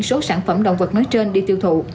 số sản phẩm động vật nói trên đi tiêu thụ